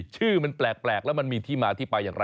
ชื่อมันแปลกแล้วมันมีที่มาที่ไปอย่างไร